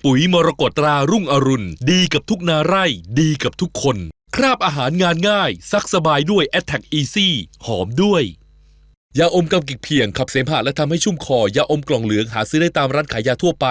แบบราคมที่ทำให้ให้สำเร็จดูเหลืองหาซื้อได้ตามร้านขายยาทั่วไป